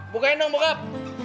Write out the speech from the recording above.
bukain dong bokap